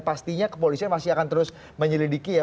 pastinya kepolisian masih akan terus menyelidiki ya